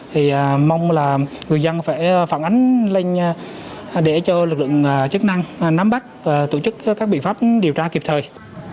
thì mong là người dân phải phản ánh lên để cho lực lượng chức năng nắm bắt và tổ chức các biện pháp điều tra kịp thời